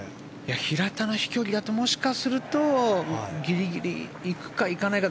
平田の飛距離だともしかするとギリギリ行くか、行かないか。